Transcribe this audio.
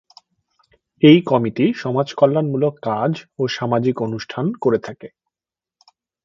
এই কমিটি সমাজকল্যাণমূলক কাজ ও সামাজিক অনুষ্ঠান করে থাকে।